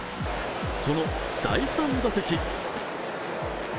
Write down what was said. その第３打席。